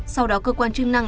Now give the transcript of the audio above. sau đó cơ quan chức năng